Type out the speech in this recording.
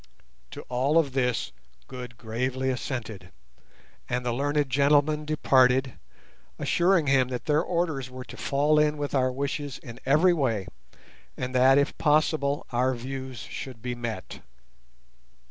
To all of this Good gravely assented, and the learned gentlemen departed, assuring him that their orders were to fall in with our wishes in every way, and that, if possible, our views should be met.